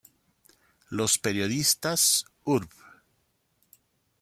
Los Periodistas, Urb.